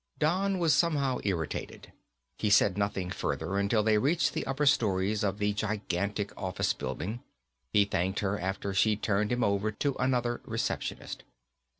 Don was somehow irritated. He said nothing further until they reached the upper stories of the gigantic office building. He thanked her after she'd turned him over to another receptionist.